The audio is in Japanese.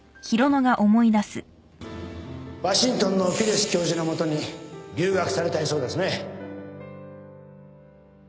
ワシントンのピレス教授のもとに留学されたいそうですね